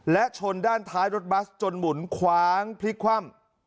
และชนด้านท้ายรถบัสจนหมุนคว้างพลิกคว่ำ